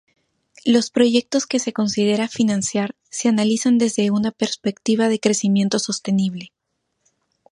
Los proyectos que se considera financiar se analizan desde una perspectiva de crecimiento sostenible.